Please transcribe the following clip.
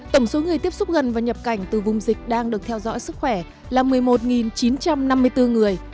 tổng số người tiếp xúc gần và nhập cảnh từ vùng dịch đang được theo dõi sức khỏe là một mươi một chín trăm năm mươi bốn người